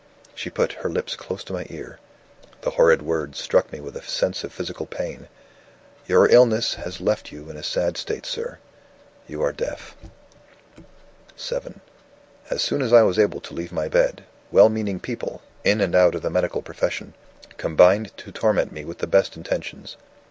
She put her lips close to my ear; the horrid words struck me with a sense of physical pain: 'Your illness has left you in a sad state, sir. You are deaf.'" VII "As soon as I was able to leave my bed, well meaning people, in and out of the medical profession, combined to torment me with the best intentions.